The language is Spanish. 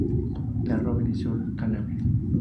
La Robine-sur-Galabre